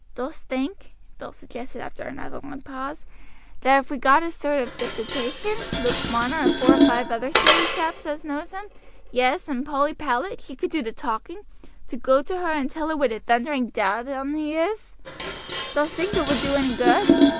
"Dost think," Bill suggested after another long pause, "that if we got up a sort of depitation Luke Marner and four or five other steady chaps as knows him; yes, and Polly Powlett, she could do the talking to go to her and tell her what a thundering dad un he is dost think it would do any good?"